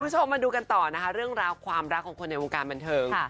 คุณผู้ชมมาดูกันต่อนะคะเรื่องราวความรักของคนในวงการบันเทิง